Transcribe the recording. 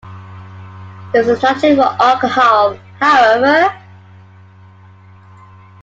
This is not true for alcohol, however.